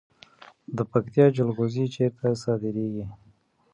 د پکتیا جلغوزي چیرته صادریږي؟